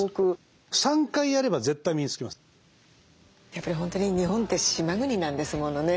やっぱり本当に日本って島国なんですものね。